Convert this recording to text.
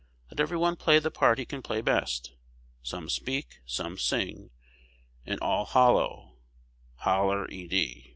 Let every one play the part he can play best, some speak, some sing, and all hollow (holler ED).